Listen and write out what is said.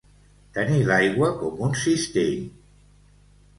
Tenir l'aigua com un cistell.